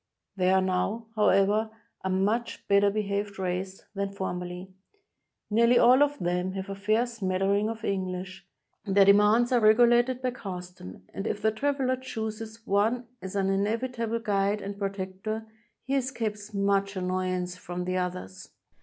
They are now, however, a much better behaved race than formerly. Nearly all of them have a fair smattering of English, their demands are regulated by custom, and if the traveler chooses one as an inevitable guide and protector, he escapes much annoyance from the others.